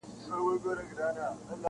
له بارانه ولاړی، ناوې ته کښېنستی-